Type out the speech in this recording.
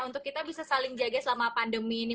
untuk kita bisa saling jaga selama pandemi ini